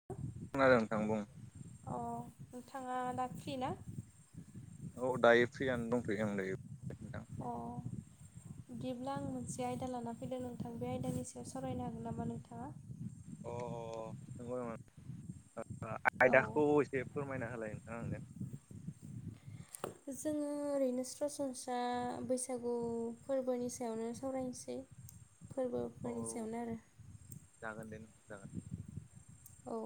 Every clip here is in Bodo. - [inaudible] खोनादों नोंथां बुं अ नोंथाङा दा फ्रि ना? औ दायो फ्रियानो दंथ'यो आं नै नोंथां। बिदिब्ला आं मोनसे आयदा लाना फैदों नोंथां बे आयदानि सायाव सावरायनो हागोन नामा नोंथाङा? - [inaudible] अ नंगौ नामा ओ औ आयदाखौ एसे फोरमायना होलाय नोंथाङा आंनो। [inaudible] जोङो ओरैनो सरासनस्रा बैसागु फोरबोनि सायावनो सावरायनोसै। [inaudible] औ फोरबोफोरनि सायावनो आरो। जागोन दे नोंथां जागोन। औ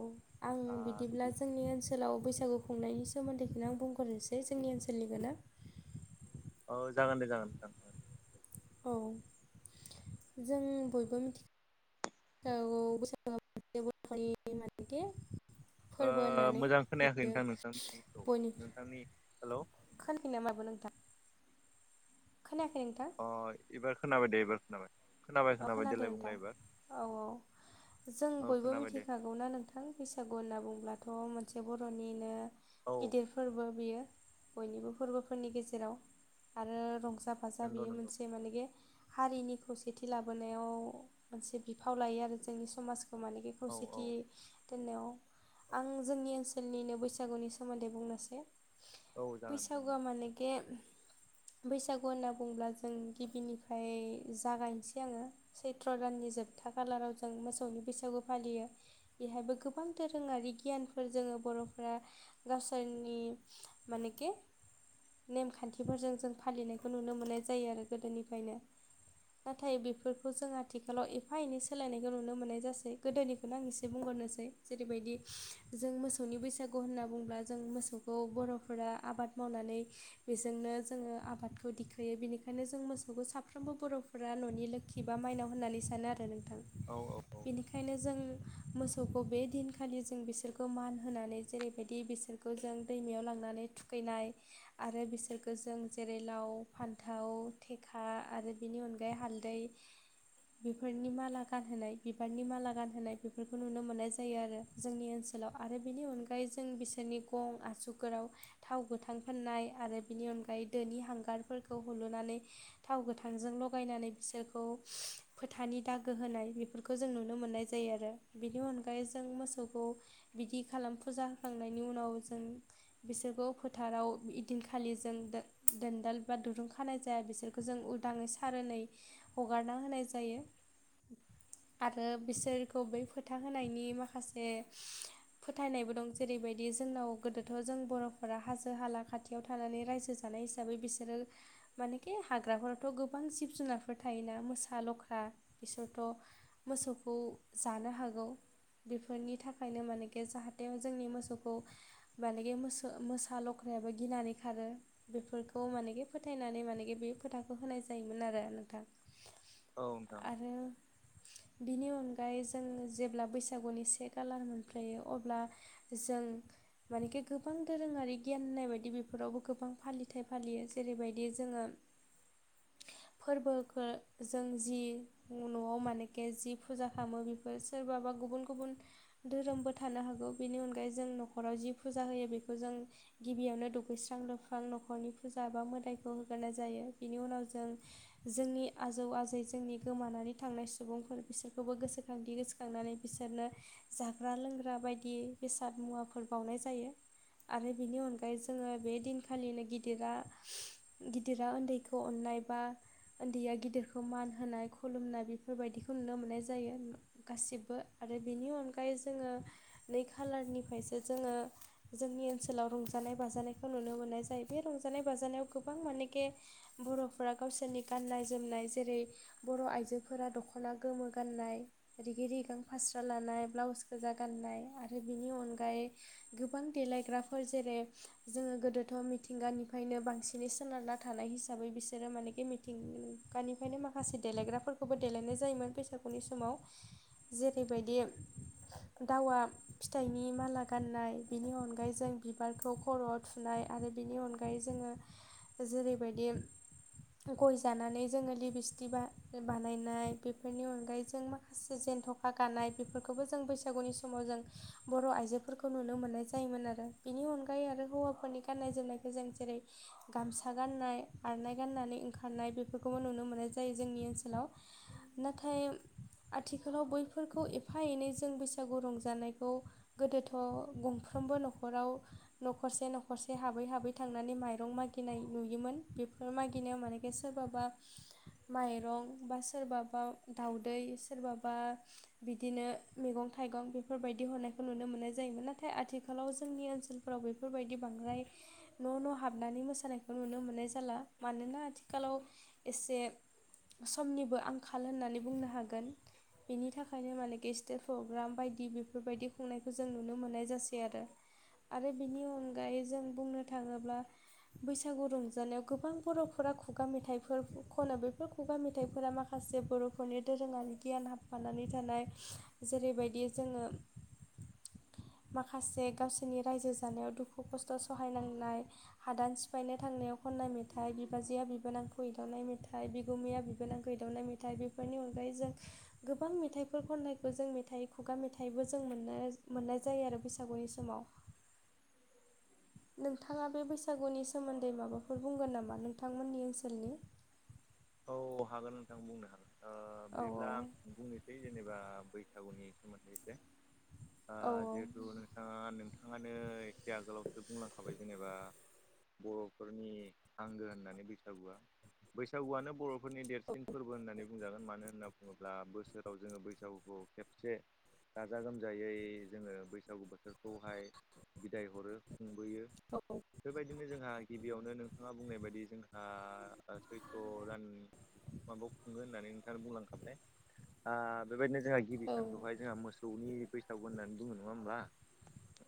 आं आ बिदिब्ला बिदि जोंनि ओन सोलाव बैसागु खुंनायनि सोमोन्दैखौनो आं बुंहरनोसै जोंनि ओनसोलनिखोनो। औ जागोन दे जागोन नोंथां। औ जों बयबो मिथि खागौ [unintelligible] ओ मोजां खोनायाखै नोंथां नोंथांनिखौ नोंथांनि हेल' खोनाया खैनामा दाबो नोंथां? खोनायाखै नोंथां? अ एबार खोनाबाय दे एबार खोनाबाय। खोनाबाय औ खोनाबाय देलाय खोनादों दा बुंलाय एबार औ औ जों औ बयबो खोनाबाय दे मिथिखा गौना नोंथां बैसागु होनना बुंब्लाथ' मोनसे बर'निनो औ गिदिर फोरबो बियो बयनिबो फोरबोफोरनि गेजेराव आरो रंजा बाजा नंगौ बियो नंगौ मोनसे मानेगे हारिनि खौसे खौसेथि लाबोनायाव मोनसे बिफाव लायो आरो जोंनि समाजखौ मानेखि औ औ खौसेथि दोनायाव आं जोंनि ओनसोलनिनो बैसागुनि सोमोन्दै बुंनोसै औ जागोन नोंथां बैसागुआ जागोन। मानेकि बैसागु होनना बुंङोब्ला जों गिबिनिफ्राय जागायनो एसे आङो सैथ्र' दाननि जोबथा खालाराव जों मोसौनि बैसागु फालियो बेहायबो गोबां दोरोङारि गियानफोर जोङो बर'फोरा गावसोरनि मानेखि नेमखान्थिफोरजों जों फालिनायखौ नुनो मोननाय जायो आरो गोदोनिफ्रायनो नाथाय बेफोरखौ जों आथिखालाव एफा एनै सोलायनायखौ नुनो मोननाय जासै गोदोनिखौनो आं एसे बुंग्रोनोसै जेरैबायदि जों मोसौनि बैसागु होनना बुंङोब्ला जों मोसौखौ बर'फोरा आबाद मावनानै बेजोंनो जोङो आबादखौ दिखोयो बेनिखायनो जों मोसौखौ साफ्रोमबो बर' फुर्रा न'नि लोषि बा माइनाव होननानै सानो आरो नोंथां औ औ औ बेनिखायनो जों मोसौखौ बे दिनखालि जों बिसोरखौ मान होनानै जेरैबायदि बिसोर बेखौ जों दैमायाव लांनानै थुखैनाय आरो बिसोरखौो जों जेरै लाव फान्थाव थेखा आरो बेनि अनगायै दै हालदै बेफोरनि माला गानहोनाय बिबारनि माला गानहोनाय बेफोरखौ नुनो मोननाय जायो आरो जोंनि ओनसोलाव आरो बेनि अनगायै जों बिसोरनि गं आसुफोराव थाव गोथां फाननाय आरो बेनि अनगायै दोनि हांगारफोरखौ हुलुनानै थाव गोथांजों ल थगायनानै बिसोरखौ फोथानि दागो होनाय बेफोरखौ जों नुनो मोननाय जायो आरो बिनि अनगायै जों मोसौखौ बिदि खालाम फुजा होखांनायनि उनाव जों बिसोरखौ फोथाराव इदिनखालि जों दोनदाल बा दुरुं खानाय जाया बिसोर बेखौ जों उदाङै सारनै हगारना होनाय जायो [inaudible] आरो बिसोरखौ बै फोथा होनायनि माखासे फोथायनायबो दं जेरैबायदि जोंनाव गोदोथ' जों बर'फोरा हाजो हाला खाथि खायाव थानानै रायजो जानाय हिसाबै बिसोरो मानेखि हाग्राफोराथ' गोबां जिब जुनारफोर थायोना मोसा लख्रा बिसोरथ' मोसौखौ जानो हागौ बेफोरनि थाखायनो मानेकि जाहाथेाव जोंनि मोसौखौ मानगि म मोसा लख्रायाबो गिनानै खारो बेफोरखौ मानेगि फोथायनानै मानेगि बे फोथाखौ होनाय जायो जायोमोन आरो नोंथां औ नोंथां आरो बिनि अनगायै जों जेब्ला बैसागुनि से कालार मोनफयो अब्ला जों मानेखि गोबां दोरोङारि गियान होननाय बायदि बेफोरावबो गोबां फालिथाय फालियो जेरैबायदि जोङो [inaudible] फोरबोखौ जों जि न'आव मानखि जि फुजा खालामो बे सोरबााबा गुबुन गुबुन धोरोमबो थानो हागौ बेनि अनगायै जों न'खराव जि फुजा होयो बेखौ जों गिबियावनो दुगैस्रां लुस्रां न'खरनि फुजा एा मोदायखौ होग्रोनाय जायो बिनि उनाव जों ज् जोंनि आजौ आजै जोंनि गोमानानै थांनाय सुबुंफोर बिसोरखौबो गोसोखांथि गोसोां थांनानै बिसोरनो जाग्रा लोंग्रा बायदि बेसाद मुवाफोर बावउनाय जायो आरो बिनि अनगायै जोङो बे दिनखालिनो गिदिरा गिदिरा उन्दैखौ अननाय बा उन्दैया गिदिरखौ मान होनाय खुलुमनाय बेफोरबायदिखौ नुनो मोननाय जायो गासिबो आरो बेनि अनगायै जोङो नै खालारनिफ्रायसो जोङो जोंनि ओनसोलाव रंजानाय बाजानायखौ नुनो मोननाय जायो बे रंजानाय बाजानायाव गोबां मानेखे बर'फोरा गावसोरनि गाननाय जोमनाय जेरै बर' आइजोफोरा दख'ना गोमो गाननाय रिगि रिगां फास्रा लानाय ब्लाउस गोजा गाननाय आरो बिनि अनगायै गोबां देलायग्राफोर जेरै जोङो गोदोथ' मिथिंगानिफायनो बांसिनै सोनारना थानाय हिसाबै बिसो बिसोरो मानेके मिथिं गानिफायनो माखासे देलायग्राफोरखौबो देलायनाय जायोमोन बैसागुनि समाव। जेरैबायदि दावा फिथाइनि माला गाननाय बिनि अनगायै जों बिबारखौ खर' थुनाय आरो बिनि अनगायै जोङो जोरैबायदि गय जानानै जोङो लिबिस्टिबा ओ बानायनाय बेफोरनि अनगायै जों माखासे जेनथ'खा गानाय बेफोरखौबो जों बैसागुनि समाव जों बर' आइजोफोरखौ नुनो मोननाय जायोमोन आरो बिनि अनगायै आरो हौवाफोरनि गाननाय जोमनायखौ जों जेरै गामसा गाननाय आरनाय गाननानै ओंखारनाय बेफोरखौबो नुनो मोननाय जायो जोंनि ओनसोलाव। नाथाय आथिखालाव बैफोरखौ एफा एनै जों बैसागु रंजानायखौ गोदोथ' गंफ्रोमबो न'खराव न'खरसे न'खरसे हाबै हाबै थांनानै माइरं मागिनाय नुयोमोन बेफोर मागिनायाव माने बे सोरबाबा माइरं बा सोरबाबा दाउदै सोरबाबा बिदिनो मेगं थाइगं बेफोरबायदि हरनायखौ नुनो मोननाय जायोमोन नाथाय आथिखालाव जोंनि ओनसोल फोराव बेफोरबायदि बांद्राय न' न' हाबनानै मोसानायखौ नुनो मोननाय जाला। मानोना आथिखालाव एसे समनिबो आंखाल होननानै बुंनो हागोन। बेनि थाखायनो मानेके स्टेट प्रग्राम बायदि बिफोरबायदि खुंनायखौ जों नुनो मोननाय जासै आरो। आरो बिनि अनगायै जों बुंनो थाङोब्ला बैसागु रंजानायाव गोबां बर'फोरा खुगा मेथाइफोर खनो बेफोर खुगा मेथाइफोरा माखासे बर'फोरनि दोरोङारि गियान हाब फानानै थानाय जेरैबायदि जोङो माखासे गावसोरनि रायजो जानायाव दुखु खस्थ' सहायनांनाय हादान सिफायनो थांनायाव खननाय मे थाइ बिबाजैया बिबोनांखौ एदावनाय मेथाइ बिगुमैया बिबोनांखौ एदावनाय मेथाइ बेफोरनि अनगायै जों गोबां मेथाइफोर खननायखौ जों मेथाइ खुगा मेथाइबो जों मोननो मोननाय जायो आरो बैसागुनि समाव। नोंथाङा बे बैसागुनि सोमोन्दै माबाफोर बुंगोन नामा नोंथांमोननि ओनसोलनि? औ हागोन नोंथां बुंनो हागोन ओ औ बिदिब्ला आं बुंनि बे जेनेबा बैसागुनि सोमोन्दै एसे ओ औ जिहेथु दा नोंथाङानो एसे आगोलावसो बुंलांखाबाय जेनेबा बर'फोरनि आंगो होननानै बैसागुआ बैसागुआनो बर'फोरनि देरसिन फोरबो होननानै बुंजागोन मानो होनना बुङोब्ला बोसोराव जोङो बैसागुखौ खेबसे गाजा गोमजायै जोङो बैसागु बोथोरखौहाय बिदाय हरो खुंबोयो। [unintelligible] बेबायदिनो जोंहा गिबियावनो नोंथाङा बुंनाय बायदि जोंहा ओ सैथ्र' दान माबायाव खुङो होननानै नोंथाङा बुंलांखाबाय ओ बेबायदिनो जोंहा गिबि औ सानखौहाय जोंहा मोसौनि बैसागु होननानै बुङो नङा होमबा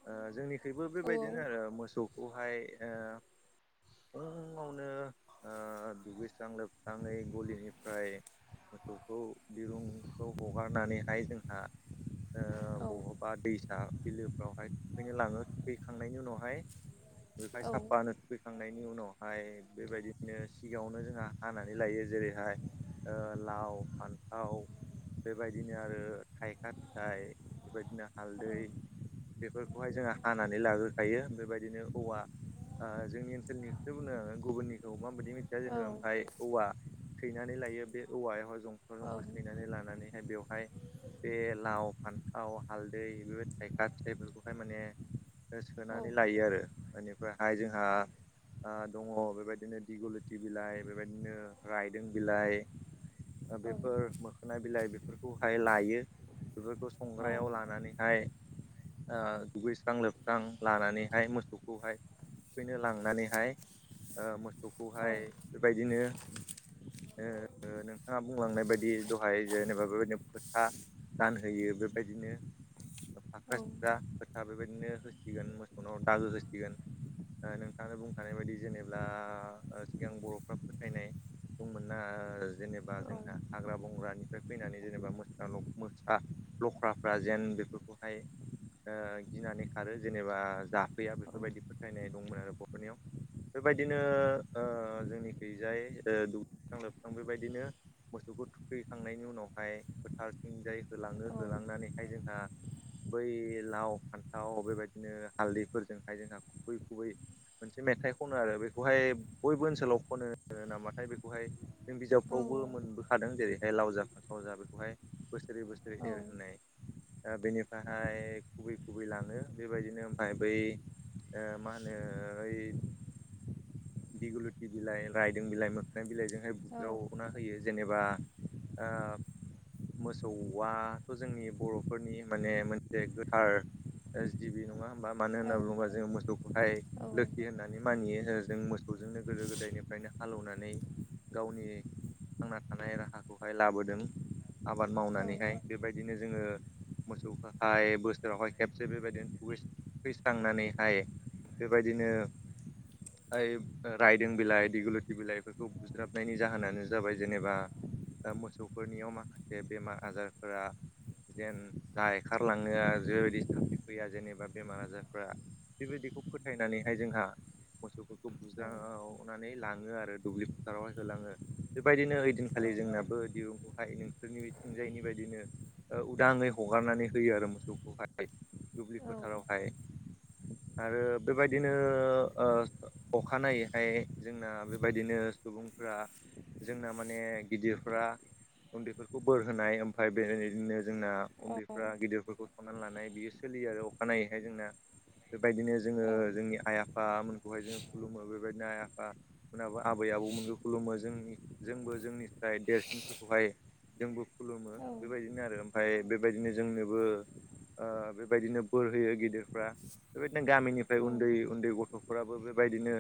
ओ जोंनि खैबो औ बेबायदिनो आरो मोसौ वहाय ओ फुंङावनो ओ दुगैस्रां लोब स्राङै गलिनिफ्राय मोसौखौ दिरुंखौ हगारनानैहाय जोंहा ओ औ बह बा दैसा बिलोफ्रावहाय थुखैनो लाङो थुखैखांनायनि उनावहाय [unintelligible] साफानो थुखैखांनायनि उनावहाय बेबायदिनो सिगाङावनो जोंहा हानानै लायो जेरैहाय ओ लाव फान्थाव बेबायदिनो आरो थायखा फिथाय बेबायदिनो हालदै बेफोरखौहाय जोंहा हानानै लाग्रोखायो बेबायदिनो औवा ओ जोंनि ओनसोलनिखौसो बुंदों गुबुननिखौ माबायदि जोङो औ ओमफ्राय औवा सैनानै लायो बे औवायाव हाय जं सैनानै लानानैहाय बेवहाय बे लाव फान्थाव हालदै बेबायदि थाइखा फिथायफोरखौहाय माने सोनानै औ लायो आरो। बेनिफ्रायहाय जोंहा ओ दङ बेबायदिनो दिगलथि बिलाइ बेबायदिनो रायदों बिलाइ ओ बेफोर मो खोना बिलाइ बेफोरखौहाय लायो बेफोरखौ औ संग्रायाव लानानैहाय ओ दुगैस्रां लोबस्रां लानानैहाय मोसौखौ हाय थुखैनो लांनानैहाय ओ मोसौखौहाय बेबायदिनो ओ नोंथाङा बुंलांनाय बायदि दहाय जेनेबा बेबायदिनो खोथा गानहोयो बेबायदिनो फाख्रा सिख्रा आ बेबायदिनो होसिगोन मोसौनाव दागो होसिगोन। ओ नोंथाङा बुंखानाय बायदि जेनेबा सिगां बर'फ्रा फोथायनाय मोना जेनेबा जोंहा हाग्रा बंग्रानिफ्राय फैनानै जेनेबा मोसा ल मोसा लख्राफ्रा जेन बेफोरखौहाय ओ गिनानै खारो जेनेबा जाफैया बेफोरबायदि फोथायनाय दंमोन आरो बर'फोरनियाव। बेबायदिनो ओ जोंनि खैजाय ओ दुगैखां लोबस्रां बेबायदिनो मोसौखौ थुखैखांनायनि उनावहाय फोथारथिंजाय होलाङो। होलांनानै हाय जोंहा बै लाव फान्थाव बेबायदिनो हालदैफोरजों हाय जों खुबै खुबै मोनसे मेथाइ खनो आरो बेखौहाय बयबो ओनसोलाव खनो। नामाथाय बेखौहाय जों बिजाबफ्रावबो मोनबो खादों। जेरैहाय लावजा फानथाव जा बेखौहाय बोसोरै बोसोरै एर होनाय। ओ बेनिफ्रायहाय खुबै खुबै लाङो बेबायदिनो ओमफ्राय बै मा होनो ओइ दिगलुटि बिलाइ रायदों बिलाइ मोखना बिलाइजोंहाय बुज्रावना होयो जेनेबा ओ मोसौआथ' जोंनि बर'फोरनि माने मोनसे गोथार ओ गिबि नङा होमबा। मानो होन्ना बुङोबा जोङो मोसौखौ हाय लोखि होननानै मानियो। जों मोसौजोंनो गोदो गोदायनि फ्राइनो हालेवनानै गावनि थांना थानाय राहाखौ हाय लाबोदों। आबाद मावनानै हाय बेबायदिनो जोङो मोसौखौहाय बोसोरावहाय खेबसे बेबायदिनो थुखैस्रांनानैहाय बेबायदिनो ओइ रायदों बिलाइ दिगुलुटि बिलाइफोरखौ बुज्राबनायनि जाहोनानो जाबाय जेनेबा मोसौफोरनियाव माखासे बेमार आजारफोरा जेन जायखारलाङो आरो जेबायदि फैया जेनेबा बेमार आजारफ्रा बेबायदिखौ फोथायनानै हाय जोंहा मोसौफोरखौ बुज्रावनानै लाङो आरो दुब्लि फोथारावहाय होलाङो। बेबायदिनो ओइदिनखालि जोंनाबो दि बेहाय नोंसोरनि बिथिंजायनि बायदिनो ओ उदाङै हगारनानै होयो आरो मोसौखौहाय दुब्लि फोथारावहाय। आरो बेबायदिनो ओ अखानायैहाय जोंना बेबायदिनो सुबुंफ्रा जोंना माने गिदिरफ्रा उन्दैफोरखौ बोर होनाय ओमफ्राय बेदिनो जोंना उन्दैफ्रा गिदिरफोरखौ संनानै लानाय बियो सोलियो आरो अखानायैहाय जोंना बेबायदिनो जोङो जोंनि आइ आफामोनखौ हाय जोङो खुलुमो। बेबायदिनो आइ आफा मोनाबो आबै आबौमोनखौ खुलुमो जोंनि जोंबो जोंनि ओमफ्राय देरसिनफोरखौ हाय जोंबो खुलुमो बेबायदि। बिदिनो आरो ओमफ्राय बेबायदिनो जोंनोबो ओ बेबायदिनो बोर होयो गिदिरफ्रा बेबायदिनो गामिनि बे उन्दै उन्दै गथ'फोराबो बेबायदिनो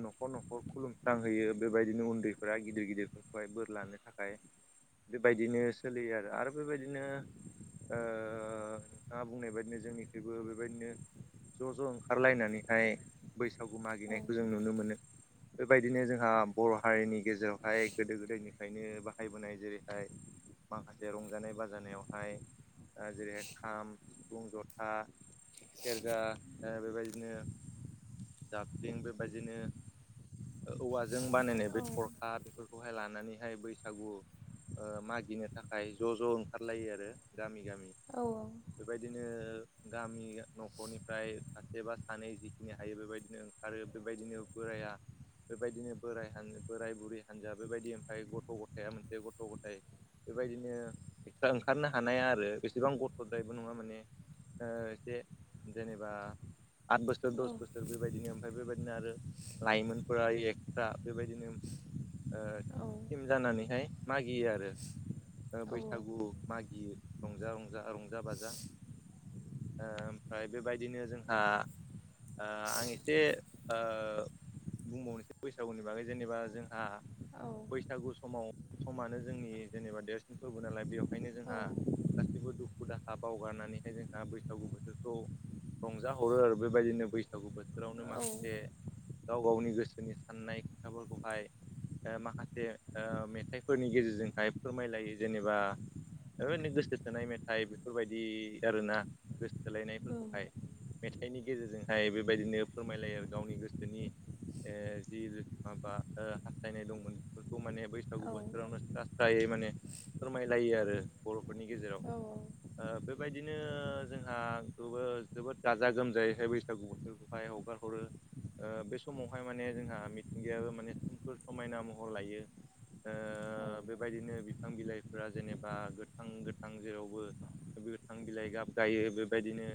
न'खर न'खर खुलुम्रांहोयो बेबायदिनो उन्दैफोरा गिदिर गिदिरफोरखौहाय बोर लानो थाखाय बेबायदिनो सोलियो आरो आरो बेबायदिनो ओ नोंथाङा बुंनाय बादिनो जोंनिखैबो बेबायदिनो ज' ज' ओंखारलायनानैहाय बैसागु मागिनायखौ जों नुनो मोनो। बेबायदिनो जोंहा बर' हारिनि गेजेरावहाय गोदो गोदायनिफ्रायनो बाहायबोनाय जेरैहाय माखासे रंजानाय बाजानायाव हाय ओ जेरैहाय खाम सिफुं जथा सेरजा ओ बेबायदिनो जाबख्रिं बेबायदिनो औवाजों बानायनाय बे थरखा फोरखौहाय लानानैहाय बैसागु ओ मागिनो थाखाय ज' ज' ओंखारलायो आरो गामि-गामि। औ औ। बेबायदिनो गामि न'खरनिफ्राय सासे बा सानै जिखिनिया हायो बेबायदिनो ओंखारो बेबायदिनो बोराया बेबायदिनो बोराय हान बोराय बुरै हानजा बेबायदि ओमफ्राय गथ' गथाय आ मोनसे गथ' गथाइ बेबायदिनो ओंखारनो हानाया आरो बेसेबां गथ'द्रायबो नङा माने। ओ एसे जेनेबा आद बोसोर दस बोसोर बेबाय दिनो ओमफ्राय बेबायदिनो आरो लाइमोनफोरा एस्रा बेबायदिनो [inaudible] ओ थिम जानानैहाय मागियो आरो। [inaudible] ओ बैसागु मागियो। रंजा-रंजा-रंजा बाजा ओ ओमफ्राय बेबायदिनो जोंहा ओ आं एसे ओ बुंबावनोसै बैसागुनि बागै जेनेबा जोंहा बैसागु समाव समानो जोंनि जेनेबा देरसिन फोरबो नालाय बेयाव हायनो जोंहा गासिबो दु दाखा बावगारनानैहाय जोंहा बैसागु बोथोरखौ रंजाहरो आरो बेबायदिनो बैसागु बो थोरावनो माखासे गाव-गावनि गोसोनि साननाय खोथाफोरखौहाय ओ माखासे ओ मेथाइफोरनि गेजेरजोंहाय फोरमायलायो जेनेबा ओरैनो गोसोथोनाय मेथाइ बेफोरबायदि आरोना। गोसोथोलायनायफोरखौहाय मेथाइनि गेजेरजों हाय बेबायदिनो फोरमायलायो आरो गावनि गोसोनि ओ जि माबा ओ हास्थायनाय दंमोन बेफोरखौ माने बैसागु बोथोरावनो स्रा स्रायै माने फोरमायलायो आरो। बर'फोरनि गेजेराव ओ बेबायदिनो जोंहा गोबो जोबोद गाजा गोमजायैहाय बै सागु बोथोरखौहाय हगार हरो। ओ बे समावहाय माने जोंहा मिथिंगायाबो माने सोमखोर समायना महर लायो। ओ बेबायदिनो बिफां बिलाइफोरा जेनेबा गोथां-गोथां जेरावबो गोथां बिलाइ गाब गायो बेबायदिनो